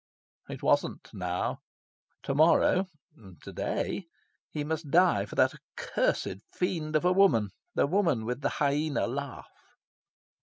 It wasn't, now. To morrow to day he must die for that accursed fiend of a woman the woman with the hyena laugh.